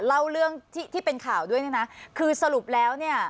เล่าเรื่องที่ที่เป็นข่าวด้วยเนี่ยนะคือสรุปแล้วเนี่ย